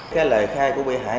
cái lời khai của bị hại